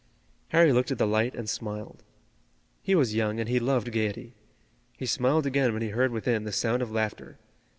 Harry looked at the light and smiled. He was young and he loved gayety. He smiled again when he heard within the sound of laughter.